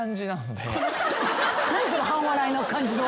何その半笑いの感じの。